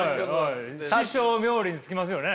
師匠冥利に尽きますよね。